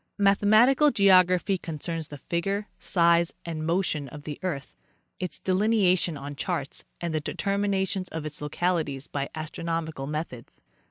3 Mathematical geography concerns the figure, size and motion of the earth, its delineation on charts, and the determinations of its localities by astronomical methods.